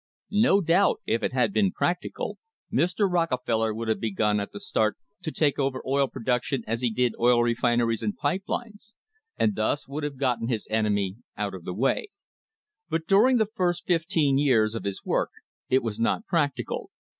No doubt, if it had been practical, Mr. Rockefeller would have begun at the start to take over oil production as he did oil refineries and pipe lines, and thus would have gotten his enemy out of the way; but during the first fifteen years of his work it was not practical.